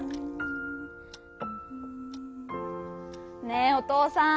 ねえおとうさん。